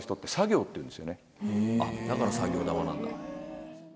だから作業玉なんだ。